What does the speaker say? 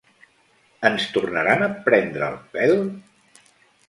Ens tornaran a prendre el pèl?